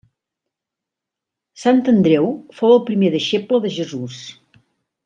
Sant Andreu fou el primer deixeble de Jesús.